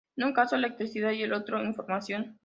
En un caso electricidad y en el otro información.